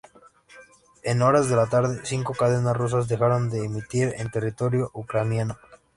En horas de la tarde, cinco cadenas rusas dejaron de emitir en territorio ucraniano.